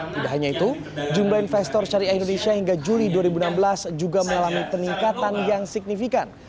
tidak hanya itu jumlah investor syariah indonesia hingga juli dua ribu enam belas juga mengalami peningkatan yang signifikan